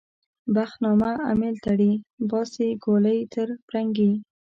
بخت نامه امېل تړي - باسي ګولۍ تر پرنګي